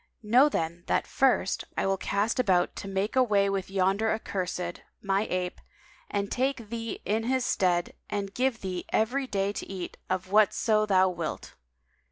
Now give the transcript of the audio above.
Know then that first, I will cast about to make away with yonder accursed, my ape, and take thee in his stead and give thee every day to eat of whatso thou wilt."